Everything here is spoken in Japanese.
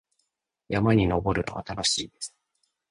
山に登るのは楽しいです。